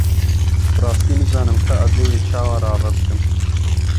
Bi rastî nizanim ka ez ê wê çawa rave bikim.